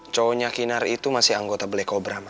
cowoknya kinar itu masih anggota black cobra ma